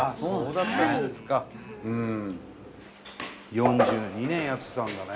４２年やってたんだね。